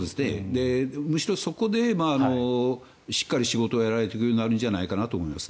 むしろそこでしっかり仕事をやられていくんじゃないかと思うんです。